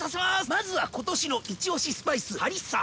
まずは今年のイチオシスパイスハリッサ！